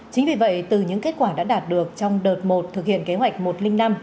chính vì vậy từ những kết quả đã đạt được trong đợt một thực hiện kế hoạch một trăm linh năm